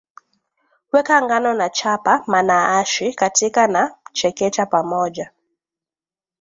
weka ngano na chapa manaashi katika na chekecha pamoja